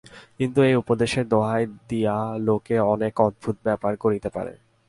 কিন্তু এই উপদেশের দোহাই দিয়া লোকে অনেক অদ্ভুত ব্যাপার করিতে পারে।